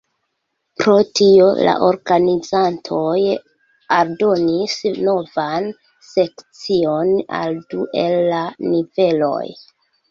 Pro tio, la organizantoj aldonis novan sekcion al du el la niveloj.